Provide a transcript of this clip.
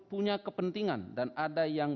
punya kepentingan dan ada yang